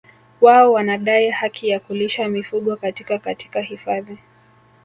Wao wanadai haki ya kulisha mifugo katika katika hifadhi